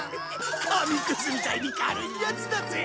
紙くずみたいに軽いやつだぜ。